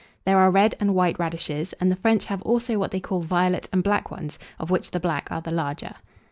There are red and white radishes; and the French have also what they call violet and black ones, of which the black are the larger.